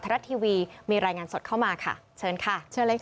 รัฐทีวีมีรายงานสดเข้ามาค่ะเชิญค่ะเชิญเลยค่ะ